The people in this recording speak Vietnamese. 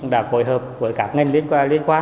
đã phối hợp với các ngân liên quan